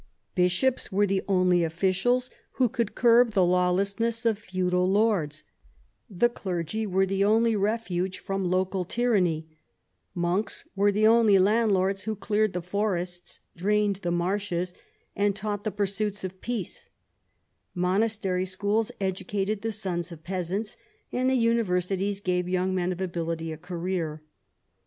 Bishops were the only officials who could curb the lawlessness of feudal lords; the clergy were the only refuge from local tyranny; monks were the only landlords who cleared the forests, di^ained the marshes, and taught the pursuits of pe£tce ; monastery schools educated the sons of pea sajits, and the universities gave young men of ability a career.